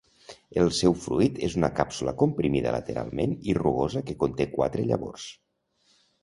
El seu fruit és una càpsula comprimida lateralment i rugosa que conté quatre llavors.